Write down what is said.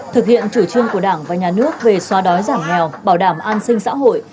thực hiện chủ trương của đảng và nhà nước về xóa đói giảm nghèo bảo đảm an sinh xã hội